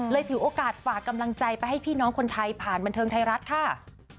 ถือโอกาสฝากกำลังใจไปให้พี่น้องคนไทยผ่านบันเทิงไทยรัฐค่ะ